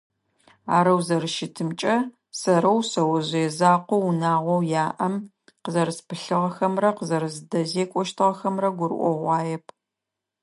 Арэу зэрэщытымкӏэ, сэрэу шъэожъые закъоу унагъом яӏэм къызэрэспылъыгъэхэмрэ къызэрэздекӏокӏыщтыгъэхэмрэ гурыӏогъуаеп.